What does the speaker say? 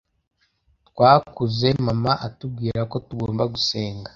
twakuze mama atubwira ko tugomba gusenga